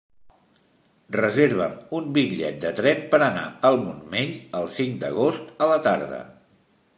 Reserva'm un bitllet de tren per anar al Montmell el cinc d'agost a la tarda.